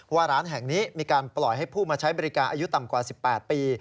ว่าร้านแห่งนี้มีการปล่อยให้ผู้มาใช้บริการอายุต่ำกว่า๑๘ปี